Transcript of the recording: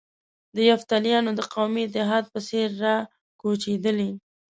د یفتلیانو د قومي اتحاد په څېر را کوچېدلي.